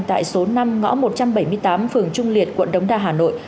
tại số năm ngõ một trăm bảy mươi tám phường trung liệt quận đống đa hà nội